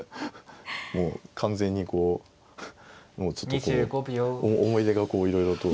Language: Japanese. もう完全にこうもうちょっとこう思い出がいろいろと。